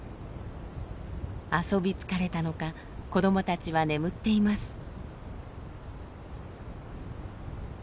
遊び疲れたのか子どもたちは眠っています。